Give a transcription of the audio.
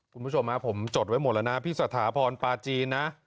คุณผู้ชมมาผมจดไว้หมดละนะพี่สาธาพรพาชีนะ